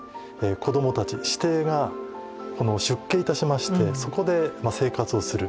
子どもたち子弟が出家いたしましてそこで生活をする。